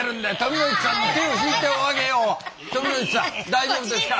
大丈夫ですか？